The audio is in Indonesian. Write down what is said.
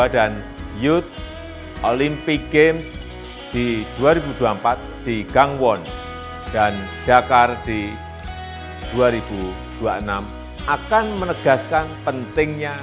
dan youth olympic games di dua ribu dua puluh empat di gangwon dan dakar di dua ribu dua puluh enam akan menegaskan pentingnya